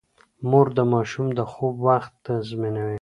مور د ماشوم د خوب وخت تنظيموي.